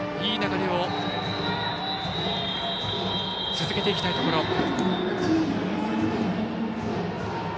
いい流れを続けていきたいところ。